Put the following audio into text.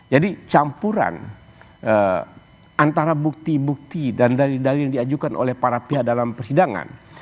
jadi campuran antara bukti bukti dan dalil dalil yang diajukan oleh para pihak dalam persidangan